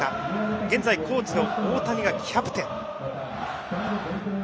現在コーチの大谷がキャプテン。